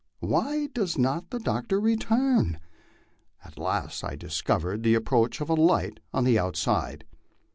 Why does not the doctor return ? At last I discovered the approach of a light on the outside.